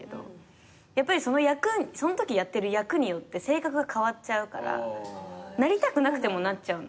そのときやってる役によって性格が変わっちゃうからなりたくなくてもなっちゃうの。